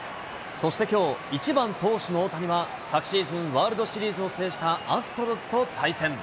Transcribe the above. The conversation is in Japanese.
そしてきょう、１番投手の大谷は昨シーズン、ワールドシリーズを制したアストロズと対戦。